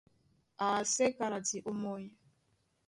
Á asɛ́ kálati ómɔ́ny.